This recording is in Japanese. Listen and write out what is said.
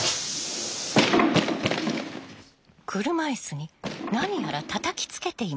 車いすに何やらたたきつけています。